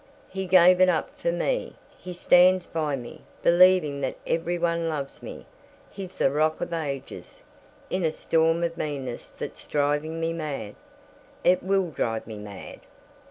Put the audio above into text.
He gave it up for me. He stands by me, believing that every one loves me. He's the Rock of Ages in a storm of meanness that's driving me mad ... it will drive me mad."